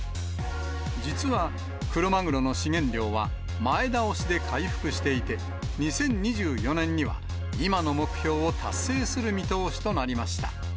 実は、クロマグロの資源量は前倒しで回復していて、２０２４年には、今の目標を達成する見通しとなりました。